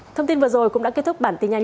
thông tin vừa rồi cũng đã kết thúc bản tin nhanh